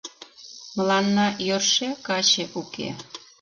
Мыланна йӧршӧ каче уке.